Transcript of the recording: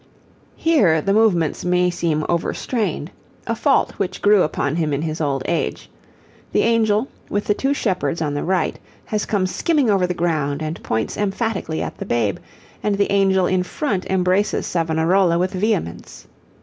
Here the movements may seem overstrained, a fault which grew upon him in his old age; the angel, with the two shepherds on the right, has come skimming over the ground and points emphatically at the Babe, and the angel in front embraces Savonarola with vehemence.